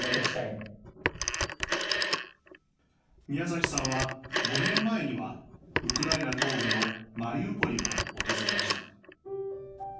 ミヤザキさんは５年前には、ウクライナ東部のマリウポリも訪れました。